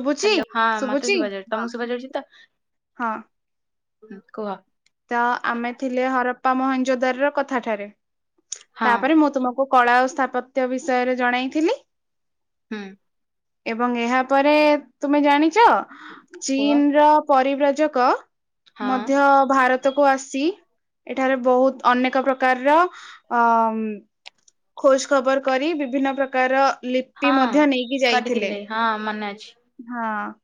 ଶୁଭୁଛି ହ୍ୟାଲୋ ହଁ ମତେ ଶୁଭୁଛି ଶୁଭା ଯାଉଛି ହଁ ତମକୁ ଶୁଭା ଯାଉଛି ତ ହଁ ହୁଁ କୁହ ତ ଆମେ ଥିଲେ ହରପ୍ପା ମହଞ୍ଜୋଦାର ର କଥାଠାରେ ହଁ ତାପରେ ମୁଁ ତୁମକୁ କଳା ଓ ସ୍ଥାପତ୍ୟ ବିଷୟରେ ଜଣେଇଥିଲି ହୁଁ। ଏବଂ ଏହାପରେ ତୁମେ ଜାଣିଛ କୁହ ଚୀନ ର ପରିବ୍ର ଯକ ହଁ ମଧ୍ୟ ଭାରତ ଆସି ଏଠାରେ ବହୁତ ଅନେକ ପ୍ରକାରର ଅ ଖୋଜ ଖବର କରି ବିଭିନ୍ନ ପ୍ରକାର ଲିପି ହଁ ମଧ୍ୟ ନେଇକି ଯାଇଥିଲେ କରିଥିଲେ ହଁ ମନେ ଅଛି ହଁ।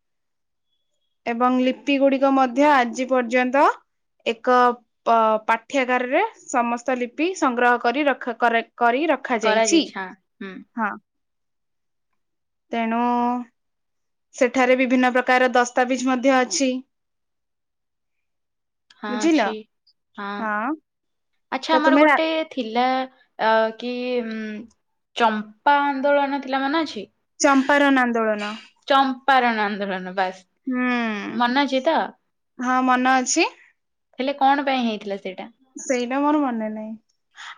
ଏବଂ ଲିପି ଗୁଡିକ ମଧ୍ୟ ଆଜି ପର୍ଯ୍ୟନ୍ତ ଏକ ଅ ପାଠ୍ୟାଗାରରେ ସମସ୍ତ ଲିପି ସଂଗ୍ରହ କରି ରଖ କର କରି ରଖାଯାଇଛି କରାଯାଇଛି ହଁ ହୁଁ ହଁ ତେଣୁ ସେଠାରେ ବିଭିନ୍ନ ପ୍ରକାର ଦସ୍ତାବିଜ ମଧ୍ୟ ଅଛି। ହଁ ବୁଝିଲ ଅଛି। ହଁ। ଆଚ୍ଛା ତ ଆମର ତୁମେ ଗୋଟେ ଥିଲା ଅ। କି ଉ ଚମ୍ପା ଆନ୍ଦୋଳନ ଥିଲା ମନେ ଅଛି। ଚମ୍ପାରନ୍ ଆନ୍ଦୋଳନ। ଚମ୍ପାରଣ ଆନ୍ଦୋଳନ ବାସ୍ ହୁଁ ମନ ଅଛି ତ। ହଁ ମନ ଅଛି। ହେଲେ କଣ ପାଇଁ ହେଇଥିଲା ସେଇଟା ସେଇଟା ମୋର ମନେ ନାହିଁ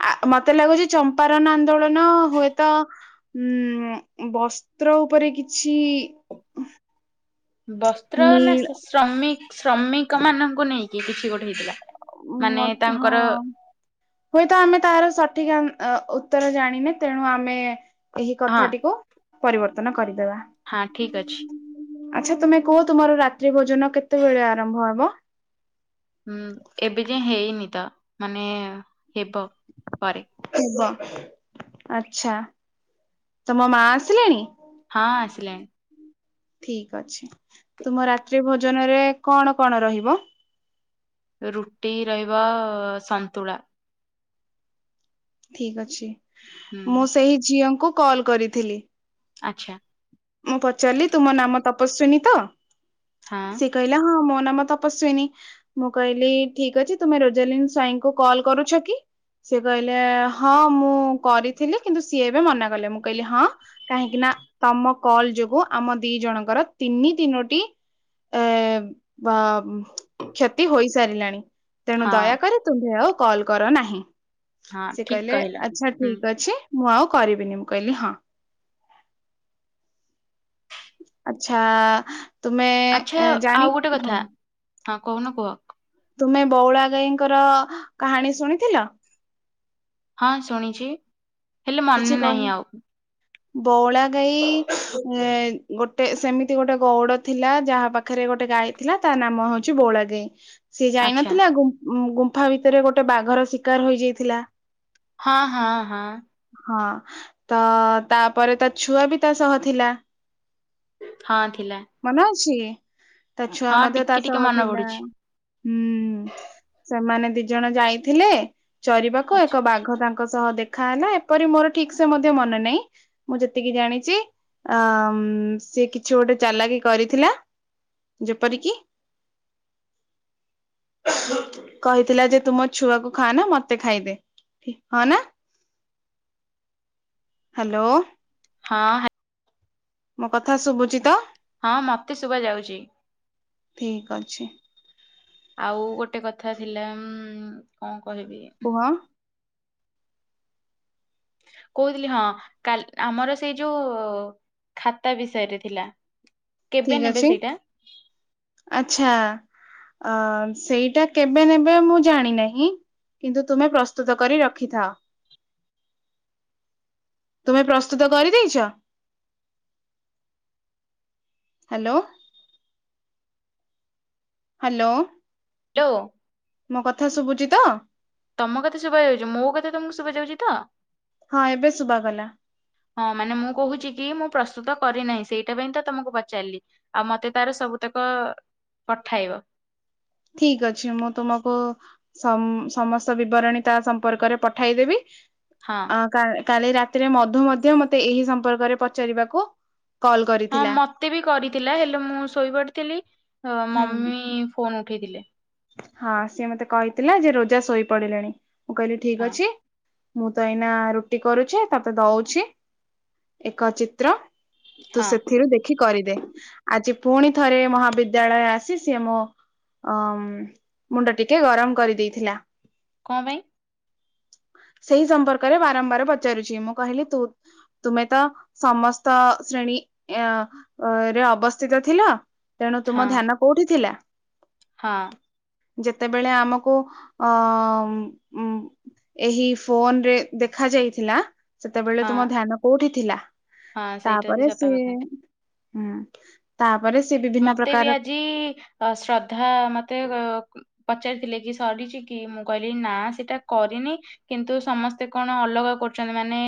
ଆ ମତେ ଲାଗୁଛି ଚମ୍ପାରନ ଆନ୍ଦୋଳନ ହୁଏତ ଉଁ ବସ୍ତ୍ର ଉପରେ କିଛି ବସ୍ତ୍ର ନା ନୀଳ ଶ୍ରମି ଶ୍ରମିକ ମାନଙ୍କୁ ନେଇକି କିଛି ଗୋଟେ ହେଇଥିଲା। ଉ ମାନେ ହଁ ତାଙ୍କର ହୁଏତ ଆମେ ତାର ସଠିକ ଆନ୍। ଅ ଉତ୍ତର ଜାଣିନେ ତେଣୁ ଆମେ ଏହି ହଁ କଥାଟିକୁ ପରିବର୍ତ୍ତନ କରିଦେବା। ହଁ ଠିକ ଅଛି। ଆଚ୍ଛା ତୁମେ କୁହ ତୁମର ରାତ୍ରି ଭୋଜନ କେତେବେଳେ ଆରମ୍ଭ ହବ। ହଁ ଏବେ ଯାଏ ହେଇନି ତ ମାନେ ହେବ ପରେ ହ ଆଛା ତମ ମା ଆସିଲେଣି। [inaudible] ଠିକ ଅଛି ତୁମ ରାତ୍ରି ଭୋଜନରେ କଣ କଣ ରହିବ? ଅ ସନ୍ତୁଳା ଠିକ ଅଛି ହୁଁ ମୁଁ ସେହି ଝିଅଙ୍କୁ କଲ କରିଥିଲି। ଆଚ୍ଛା। ମୁଁ ପଚାରିଲି ତୁମ ନାମ ତପସ୍ଵିନୀ ତ ହଁ ସେ କହିଲା ହଁ ମୋ ନାମ ତପସ୍ଵିନୀ ମୁଁ କହିଲି ଠିକ ଅଛି ତୁମେ ରୋଜାଲିନ୍ ସ୍ୱାଇଁଙ୍କୁ କଲ କରୁଛ କି ସେ କହିଲେ ହଁ ମୁଁ କରିଥିଲି କିନ୍ତୁ ସିଏ ଏବେ ମନା କଲେ ମୁଁ କହିଲି ହଁ କାହିଁକି ନା ତମ କଲ ଯୋଗୁ ଆମ ଦି ଜଣଙ୍କର ତିନି ତିନୋଟି ଏ ବା କ୍ଷତି ହୋଇସାରିଲାଣି। ତେଣୁ ହଁ ଦୟାକରି ତୁମ୍ଭେ ଆଉ କଲ୍ କର ନାହିଁ। ହଁ ସେ ଠିକ କହିଲେ କହିଲ। ଆଚ୍ଛା ହୁଁ ଠିକ ଅଛି ମୁଁ ଆଉ କରିବିନି ମୁଁ କହିଲି ହଁ। ଆଛା ତୁମେ ଆଚ୍ଛା ଜାଣି ଆଉ ଗୋଟେ ହଁ କଥା ହଁ କହୁନ କୁହ। ତୁମେ ବଉଳା ଗାଈଙ୍କର କାହାଣୀ ଶୁଣିଥିଲ। ହଁ ଶୁଣିଛି ହେଲେ କିଛି ମନେ କହି ନାହିଁ ଆଉ। ବଉଳା ଗାଈ ଇ ଗୋଟେ ସେମିତି ଗୋଟେ ଗଉଡ ଥିଲା ଯାହା ପାଖରେ ଗୋଟେ ଗାଈ ଥିଲା ତା ନାମ ହଉଛି ବୋଳା ଗାଈ। ସିଏ ଆଚ୍ଛା। ଯାଇନଥିଲା ଗୁ ଉଁ ଗୁମ୍ଫା ଭିତରେ ଗୋଟେ ବାଘର ଶିକାର ହେଇଯାଇଥିଲା। ହଁ ହଁ ହଁ। ହଁ ତ ତାପରେ ତା ଛୁଆ ବି ତା ସହ ଥିଲା। ହଁ ଠି ମନେ ଅଛି। ତା ଛୁଆ ହଁ ମଧ୍ୟ ତା ଟିକେ ଟିକେ ସହ ମନେ ଥିଲା ପଡୁଛି ହୁଁ ସେମାନେ ଦି ଜଣେ ଯାଇଥିଲେ ଚରିବାକୁ ଆଛା। ଏକ ବାଘ ତାଙ୍କ ଙ୍କ ସହ ଦେଖା ହେଲା ଏପରି ମୋର ଠିକ ସେ ମଧ୍ୟ ମନେ ନାହିଁ ମୁଁ ଯେତିକି ଜାଣିଛି ଆମ୍ ସେ କିଛି ଗୋଟେ ଚାଲାକି କରିଥିଲା ଯେପରିକି କହିଥିଲା ଯେ ତୁମୋ ଛୁଆକୁ ଖାଆ ନା ମତେ ଖାଇଦେ ହଁ ନା। ହ୍ୟାଲୋ। ହଁ ହା ମୋ କଥା ଶୁଭୁଚି ତ। ହଁ ମତେ ଶୁବା ଯାଉଛି। ଠିକ ଅଛି। ଆଉ ଗୋଟେ କଥା ଥିଲା ଉ କଣ କହିବି? କୁହ କହୁଥିଲି ହଁ କାଲି ଆମର ସେଇ ଯୋଉ ଖାତା ବିଷୟରେ ଥିଲା। କେବେ ଠିକ ନେବେ ଅଛି ସେଇଟା ଆଛା। ଅ ସେଇଟା କେବେ ନେବେ ମୁଁ ଜାଣିନାହିଁ କିନ୍ତୁ ତୁମେ ପ୍ରସ୍ତୁତ କରି ରଖିଥାଅ। ତୁମେ ପ୍ରସ୍ତୁତ କରି ଦେଇଛ। ହ୍ୟାଲୋ। ହ୍ୟାଲୋ। ଲୋ। ମୋ କଥା ଶୁଭୁଚି ତ। ତମ କଥା ଶୁବା ଯାଉଛି ମୋ କଥା ତମକୁ ଶୁଭା ଯାଉଛି ତ। ହଁ ଏବେ ଶୁଭା କଲା। ହଁ ମାନେ ମୁଁ କହୁଛି କି ମୁଁ ପ୍ରସ୍ତୁତ କରିନାହିଁ ସେଇଟା ପାଇଁ ତ ତମକୁ ପଚାରିଲି ଆଉ ମତେ ତାର ସବୁ ମତକ ପଠାଇବ। ଠିକ ଅଛି ମୁଁ ତୁମକୁ ସମ ସମସ୍ତ ବିବରଣୀ ତା ସମ୍ପର୍କରେ ପଠାଇଦେବି। ହଁ ଆଁ କା କାଲି ରାତିରେ ମଧୁ ମଧ୍ୟ ମତେ ଏହି ସମ୍ପର୍କରେ ପଚାରିବାକୁ କଲ୍ ହଁ କରିଥିଲା ମତେ ବି କରିଥିଲା ହେଲେ ମୁଁ ଶୋଇପଡିଥିଲି ହୁଁ ମମି ଫୋନ ଉଠେଇ ଦିଲେ। ହଁ ସିଏ ମତେ କହିଥିଲା ଯେ ରୋଜା ଶୋଇ ପଡିଲେଣି ମୁଁ କହିଲି ଠିକ ହଁ ଅଛି ମୁଁ ତ ଏଇନା ରୁଟି କରୁଛି ତତେ ଦଉଛି ଏକ ଚିତ୍ର ତୁ ହଁ ସେଥିରୁ ଦେଖି କରିଦେ ଆଜି ପୁଣି ଥରେ ମହାବିଦ୍ୟାଳୟ ଆସି ସିଏ ମୋ ଅ ମୁଣ୍ଡ ଟିକେ ଗରମ କରି ଦେଇଥିଲା। କଁ ପାଇଁ? ସେହି ସମ୍ପର୍କରେ ବାରମ୍ବାର ପଚାରୁଛି। ମୁଁ କହିଲି ତୁ ତୁମେ ତ ସମସ୍ତ ଶ୍ରେଣୀ ଅ ରେ ଅବସ୍ଥିତ ଥିଲ। ତେଣୁ ହଁ ତୁମ ଧ୍ୟାନ କୋଉଠି ଥିଲା? ହଁ। ଯେତେବେଳେ ଆମକୁ ଅଁ ଉଁ ଏହି ଫୋନ୍ ରେ ଦେଖା ଯାଇଥିଲା। ସେତେବେଳେ ହଁ ତୁମ ଧ୍ୟାନ କୋଉଠି ଥିଲା? ହଁ ସେଇଟା ବି ତାପରେ ସତ ସିଏ କଥା ହୁଁ ତା ମତେ ବି ଆଜି ଶ୍ରଦ୍ଧା ମତେ ପଚାରିଥିଲେ କି ସରିଛି କି ମୁଁ କହିଲି ନା ସେଟା କରିନି। କିନ୍ତୁ ସମସ୍ତେ କଣ ଅଲଗା କରୁଛନ୍ତି। ମାନେ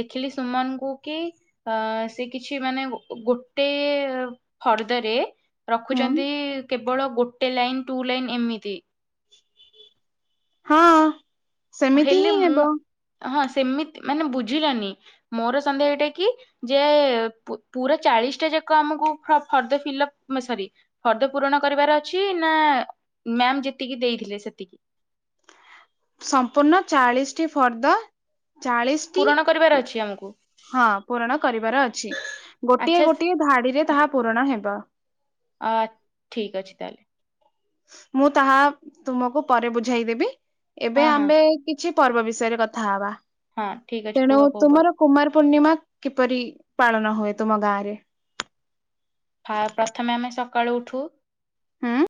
ଦେଖିଲି ସୁମନ୍ କୁ କି ଆ ସେ କିଛି ମାନେ ଗୋଟେ ଫର୍ଦରେ ହୁଁ ରଖୁଛନ୍ତି କେବଳ ଗୋଟେ ଲାଇନ୍ ଟୁ ଲାଇନ୍ ଏମିତି। ହଁ ସେମିତି ହେଲେ ହିଁ ମୁଁ ହେବ। ହଁ ସେମିତି ମାନେ ବୁଝିଲନି। ମୋର ସନ୍ଦେହ ଏଇଟା କି ଯେ ପୁ ପୁରା ଚାଲିଶ୍ ଟା ଯା ଯାକ ଆମକୁ ଫ-ଫର୍ଦ୍ଦ ଫିଲପ୍ ସରି ଫର୍ଦ୍ଦ ପୂରଣ କରିବାର ଅଛି ନା ମ୍ୟାମ୍ ଯେତିକି ଦେଇଥିଲେ ସେତିକି। ସମ୍ପୂର୍ଣ୍ଣ ଚାଳିଶ୍ ଟି ଫର୍ଦ୍ଦ। ଚାଳିଶ୍ ଟି। ପୂରଣ କରିବାର ଅଛି ଆମକୁ ହଁ ପୂରଣ କରିବାର ଅଛି। ଗୋଟିଏ ଆଚ୍ଛା ସ- ଗୋଟିଏ ଧାଡିରେ ତାହା ପୂରଣ ହେବ। ଆ ଠିକ୍ ଅଛି ତାହେଲେ। ମୁଁ ତାହା ତୁମକୁ ପରେ ବୁଝାଇଦେବି। ଏବେ ହଁ ହଁ ଆମ୍ଭେ କି କିଛି ପର୍ବ ବିଷୟରେ କଥା ହବା। ହଁ ଠିକ ଅଛି ତେଣୁ କୁହ କୋଉ ପର୍ବ ତୁମର କୁମାର ପୂର୍ଣ୍ଣିମା କିପରି ପାଳନ ହୁଏ ତୁମ ଗାଁରେ। ଫା ପ୍ରଥମେ ଆମେ ସକାଳୁ ଉଠୁ। ହୁଁ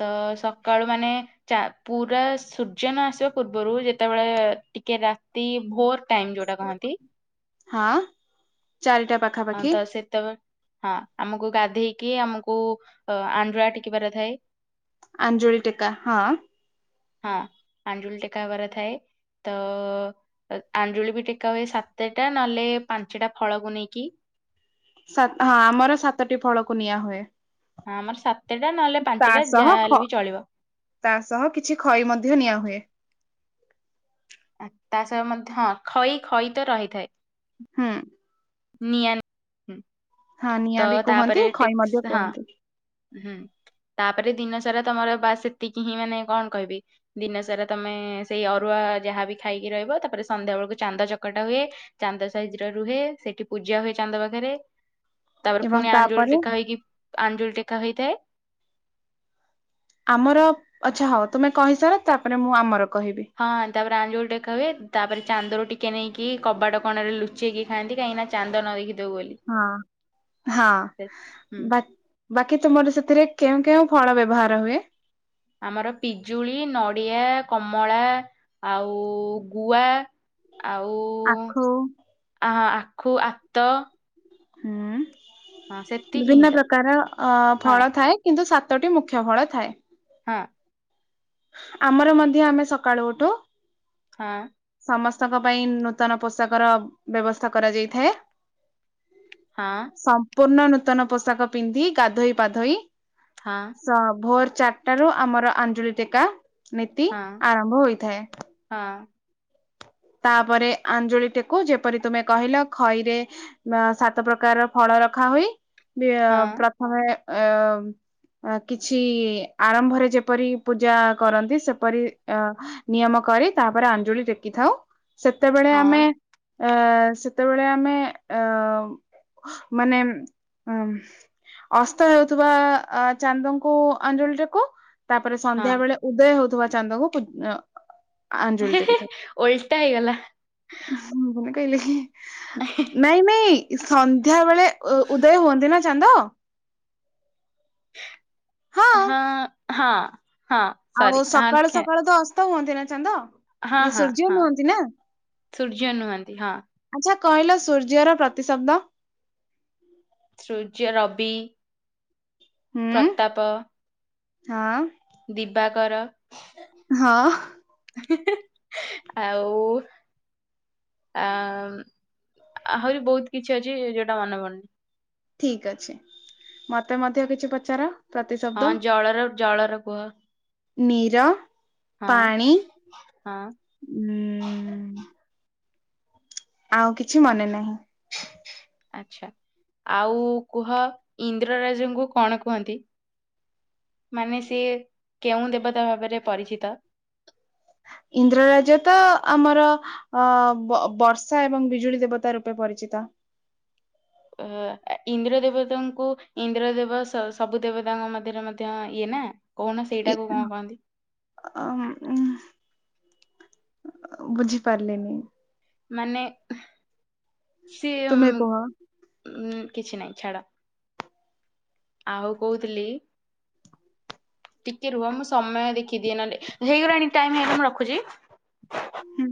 ତ ସକାଳୁ ମାନେ ପୁରା ଚା ସୂର୍ଯ୍ୟ ନ ଆସିବା ପୂର୍ବରୁ ଯେତେବେଳେ ଟିକେ ରାତି ଭୋର୍ ଟାଇମ୍ ଯୋଉଟା କହଁନ୍ତି। ହଁ ଚାରିଟା ହଁ ପାଖାପାଖି ତ ସେତେବେ ହଁ ଆମକ କୁ ଗାଧେଇକି ଆମୁକୁ ଆଞ୍ଜୁଳା ଟେକିବାର ଥାଏ। ଆଞ୍ଜୁଳି ଟେକା ହଁ। ହଁ ଆଞ୍ଜୁଳି ଟେକା ହବାର ଥାଏ। ତ ଆଞ୍ଜୁଳି ବି ଟେକା ହୁଏ ସାତେଟା ନହେଲେ ପାଞ୍ଚଟା ଫଳକୁ ନେଇକି। ସାତ୍ ହଁ ଆମର ସାତଟି ଫଳକୁ ନିଆଁ ହୁଏ। ହଁ ଆମର ସାତଟା ନହେଲେ ତା ପାଞ୍ଚଟା ସହ ଯାହାହେଲେ ଖ ବି ଚଳିବ। ତା ସହ କିଛି ଖଇ ମଧ୍ୟ ନିଆଁ ହୁଏ। ତା ସହ ମଧ୍ୟ ଖଇ, ଖଇ ତ ରହିଥାଏ। ହୁଁ। ନିଆଁନ୍ ହୁଁ। ହଁ ତ ନିଆଁ ବି କୁହନ୍ତି ତାପରେ ଖଇ ଟିକ୍ ମଧ୍ୟ ହଁ କୁହନ୍ତି ହୁଁ ତାପରେ ଦିନ ସାରା ତମର ବା ସେତିକି ହିଁ ମାନେ କଣ କହିବି? ଦିନ ସାରା ତମେ ସେଇ ଅରୁଆ ଯାହାବି ଖାଇକି ରହିବ ତାପରେ ସନ୍ଧ୍ୟା ବେଳକୁ ଚାନ୍ଦ ଚକଟା ହୁଏ। ଚାନ୍ଦ ସାଇଜ୍ ରୁହେ। ସେଠି ପୂଜା ହୁଏ ଚାନ୍ଦ ପାଖରେ। ତାପରେ ଏବଂ ଫୁଣି ଆଞ୍ଜୁଳି ତାପରେ ଟେକା ହେଇକି ଆଞ୍ଜୁଳି ଟେ ଏକା ହୋଇଥାଏ। ଆମର ଆଚ୍ଛା ହଉ ତୁମେ କହି ସାର। ତାପରେ ମୁଁ ଆମର କହିବି। ହଁ ତାପରେ ଆଞ୍ଜୁଳି ଟେକା ହୁଏ। ତାପରେ ଚାନ୍ଦରୁ ଟିକେ ନେଇକି କବାଟ କଣରେ ଲୁଚେଇକି ଖାଆଁନ୍ତି। କାହିକିଁ ନା ଚାନ୍ଦ ନ ଦେଇକି ହଁ ହଁ ସେ- ହୁଁ ବା ବାକି ତୁମର ସେଥିରେ କେଉଁ କେଉଁ ଫଳ ବ୍ୟବହାର ହୁଏ? ଆମର ପିଜୁଳି, ନଡି଼ଆ, କମଳା। ଆଉ ଗୁଆ। ଆଉ ଆଖୁ ଆ ଆଖୁ, ଆତ। ହୁଁ ହଁ ସେତିକି ହିଁ ବିଭିନ୍ନ ତ ପ୍ରକାର ଅ ହଁ ଫଳ ଥାଏ କିନ୍ତୁ, ସାତ୍ ସାତଟି ମୁଖ୍ୟ ଫଳ ଥାଏ। ହଁ। ଆମର ମଧ୍ୟ ଆମେ ସକାଳୁ ଉଠୁ। ହଁ। ସମସ୍ତଙ୍କ ପାଇଁ ନୂତନ ପୋଷାକର ବ୍ୟବସ୍ଥା କରାଯାଇଥାଏ। ହଁ ସମ୍ପୂର୍ଣ୍ଣ ନୂତନ ପୋଷାକ ପିନ୍ଧି ଗାଧୋଇ ପାାଧୋଇ ହଁ ସ ଭୋର ଚାରଟା ରୁ ଆମର ଆଞ୍ଜଳି ଟେକା। ନୀତି ହଁ ଆରମ୍ଭ ହୋଇଥାଏ। ହଁ ତାପରେ ଆଞ୍ଜୁଳି ଟେକୁ ଯେପରି ତୁମେ କହିଲ ଖଇରେ ସାତ ପ୍ରକାର ଫଳ। ରଖା ହ ବି ହଁ ପ୍ରଥମେ ଅ ଅ କିଛି ଆରମ୍ଭରେ ଯେପରି ପୂଜା କରନ୍ତି ସେପରି ଅ ନିୟମ କରି ତାପରେ ଆଞ୍ଜୁଳି ଟେକି ଥାଉ ସେତେବେଳେ ହଁ ଆମେ ଆ ସେତେବେଳେ ଆମେ ଅ ମାନେ ଅ ଅସ୍ତ ହେଉଥିବା ଅ ଚାନ୍ଦଙ୍କୁ ଅଞ୍ଜଳିଟାକୁ। ତାପରେ ହଁ ସନ୍ଧ୍ୟା ବେଳେ ଉଦୟ ହଉଥିବା ଚାନ୍ଦକୁ। ଓଲ ଁ ମୁଁ କହିଲେ କି ନାଇଁ ନାଇଁ ସନ୍ଧ୍ୟା ବଧା ବେଳେ ଉ ଉଦୟ ହୁଅନ୍ତି ନା ଚାନ୍ଦ। ହଁ ହଁ। ହଁ ଆଉ ସରି ହଁ ସକାଳୁ ଖେ ସକାଳୁ ତ ଅସ୍ତ ହୁଅନ୍ତି ନା ଚାନ୍ଦ। ହଁ ଇଏ ହଁ ସୂର୍ଯ୍ୟ ହଁ ନୁହନ୍ତି ନା ସୂର୍ଯ୍ୟ ନୁହନ୍ତି ହଁ ଆଛା। କଇଲ ସୂର୍ଯ୍ୟର ପ୍ରତିଶବ୍ଦ? ସୂର୍ଯ୍ୟ ରବି। ହୁଁ ପ୍ରତାପ। ହଁ। ଦିବାକର। ହଁ। ଆଉ ଆ ଆହୁରି ବହୁତ କିଛି ଅଛି ଯୋଉଟା ମନେ ପଡୁନି। ଠିକ ଅଛି ମତେ ମଧ୍ୟ କିଛି ପଚାର। ପ୍ରତିଶବ୍ଦ ହଁ ଜଳର ଜଳର କୁହ। ନିର ହଁ ପାଣି ହଁ ଉ ଆଉ କିଛି ମନେ ନାହିଁ। ଆଛା ଆଉ କୁହ ଇନ୍ଦ୍ରରାଜଙ୍କୁ କଣ କୁହନ୍ତି? ମାନେ ସିଏ କେଉଁ ଦେବତା ଭାବରେ ପରିଚିତ? ହଁ। ଇନ୍ଦ୍ର ରାଜ ତ ଆମର ଅ ବ ବର୍ଷା ଏବଂ ବିଜୁଳି ଦେବତା ରୂପେ ପରିଚିତ। ହ। ଅ ଇନ୍ଦ୍ର ଦେବତାଙ୍କୁ ଇନ୍ଦ୍ର ଦେବ ସ ସବୁ ଦେବତାଙ୍କ ମଧ୍ୟରେ ମଧ୍ୟ ଇଏ ନା। କହୁନ ଇ ସେଇଟାକୁ ଉ କଣ କହନ୍ତି? ଉ ବୁଝିପାରିଲନି। ମାନେ ସେ ଉ ତୁମେ କୁହ। ଉ କିଛି ନାହିଁ ଛାଡା। ଆଉ କହୁଥିଲି ଟିକେ ରୁହ ମୁଁ ସମୟ ଦେଖିଦିଏ ନନେ ହେଇଗଲାଣି ଟାଇମ ହେଇଗ ମୁଁ ରଖୁଛି। ହୁଁ।